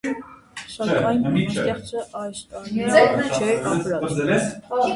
Սակայն բանաստեղծը այս տան մէջ չէ ապրած։